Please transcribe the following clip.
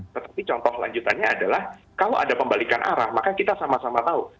tetapi contoh lanjutannya adalah kalau ada pembalikan arah maka kita sama sama tahu